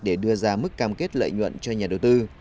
để đưa ra mức cam kết lợi nhuận cho nhà đầu tư